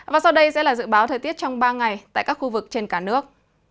và sau đây sẽ là dự báo thời tiết trong ba ngày tại các khu vực trên cả nước